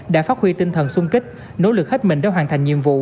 đã phát huy tinh thần sung kích nỗ lực hết mình để hoàn thành nhiệm vụ